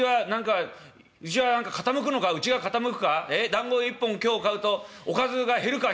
だんご１本今日買うとおかずが減るか？